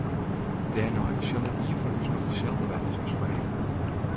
Dêrnei sil net ien fan ús noch deselde wêze as foarhinne.